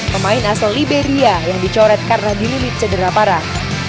pemain asal liberia yang dicoret karena dililit cedera parah